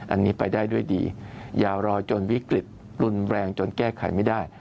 อันนี้ไปได้ด้วยดีอย่ารอจนวิกฤตรุนแรงจนแก้ไขไม่ได้